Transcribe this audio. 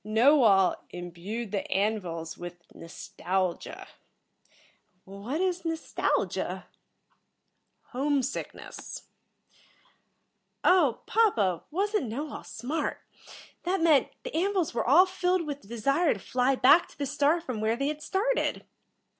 "Knowall imbued the An vils with nostalgia." "What is nostalgia?" "Home sickness." "Oh, papa, wasn't Knowall smart? That meant, the An vils were all filled with the desire to fly back to the star from where they had started."